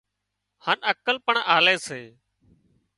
هانَ عقل پڻ آلي سي